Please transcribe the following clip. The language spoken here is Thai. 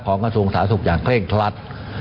ของกระทรวงสาธุขยานเคร่งทลัด